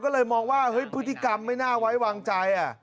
ก็เลยมองว่าเฮ้ยพฤติกรรมไม่น่าไว้วางใจ